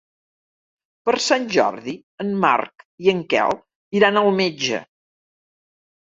Per Sant Jordi en Marc i en Quel iran al metge.